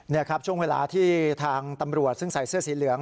นี่ครับช่วงเวลาที่ทางตำรวจซึ่งใส่เสื้อสีเหลือง